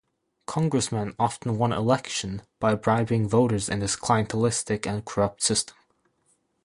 Congressmen often won election by bribing voters in this clientelistic and corrupt system.